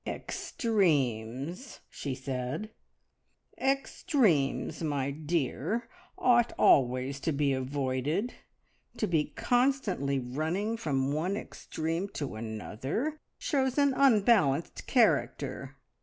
"Extremes," she said, "extremes, my dear, ought always to be avoided. To be constantly running from one extreme to another shows an unbalanced character.